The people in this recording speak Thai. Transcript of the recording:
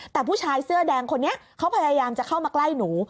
แต่ผู้ชายเสื้อแดงคนนี้เขาพยายามจะเข้ามาใกล้หนู